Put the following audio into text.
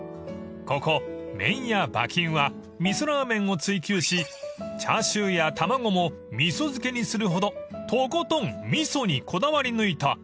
［ここ麺屋馬琴は味噌ラーメンを追求しチャーシューや卵も味噌漬けにするほどとことん］